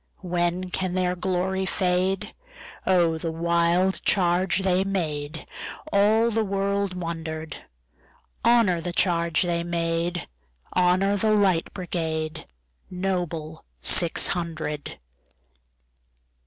When can their glory fade?O the wild charge they made! All the world wonder'd. Honor the charge they made! Honor the Light Brigade, Noble six hundred!